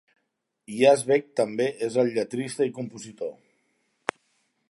Yazbek també és el lletrista i compositor.